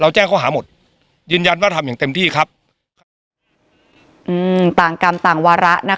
แจ้งข้อหาหมดยืนยันว่าทำอย่างเต็มที่ครับอืมต่างกรรมต่างวาระนะคะ